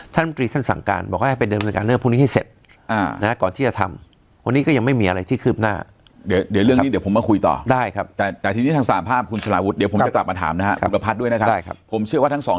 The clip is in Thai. ท่านมรีสั่งการบอกว่าให้ไปเดินบริการเรื่องพวกนี้ให้เสร็จ